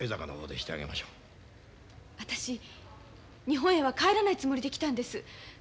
日本へは帰らないつもりで来たんです。